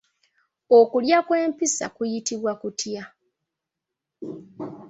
Okulya kw'empisa kuyitibwa kutya?